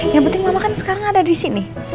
yang penting mama kan sekarang ada di sini